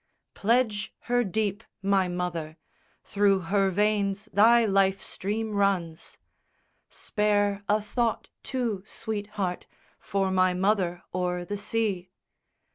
IV Pledge her deep, my mother; Through her veins thy life stream runs! Spare a thought, too, sweetheart, for my mother o'er the sea!